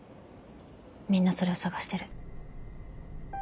みんなそれを探してる。